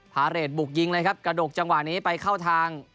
เรทบุกยิงเลยครับกระดกจังหวะนี้ไปเข้าทาง